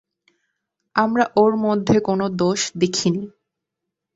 আমরা ওর মধ্যে কোন দোষ দেখিনি।